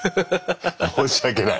申し訳ない？